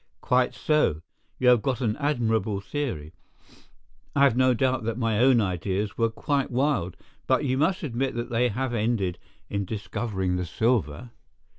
"Quite so, you have got an admirable theory. I have no doubt that my own ideas were quite wild, but you must admit that they have ended in discovering the silver."